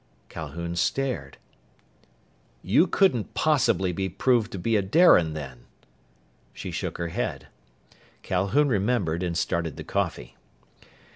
Calhoun stared. "You couldn't possibly be proved to be a Darian, then?" She shook her head. Calhoun remembered, and started the coffee.